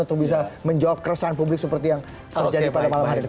untuk bisa menjawab keresahan publik seperti yang terjadi pada malam hari ini